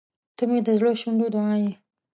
• ته مې د زړه شونډو دعا یې.